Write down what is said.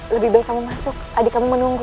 lebih baik kamu masuk adik kamu menunggu